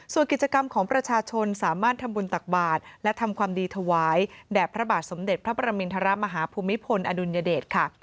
ส่วนกิจกรรมของประชาชนสามารถทำบุญตักบาทและทำความดีถวายแด่พระบาทสมเด็จพระประมินทรมาฮภูมิพลอดุลยเดชค่ะ